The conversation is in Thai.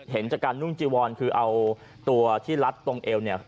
เห็นจากการนุ่งจีวอนคือเอาตัวที่รัดตรงเอวเนี่ย